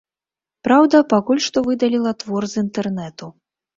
Праўда, пакуль што выдаліла твор з інтэрнэту.